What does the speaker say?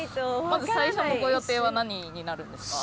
まず最初のご予定は何になるんですか。